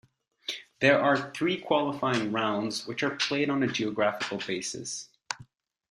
There are three Qualifying rounds, which are played on a geographical basis.